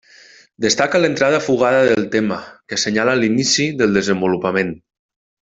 Destaca l'entrada fugada del tema, que assenyala l'inici del desenvolupament.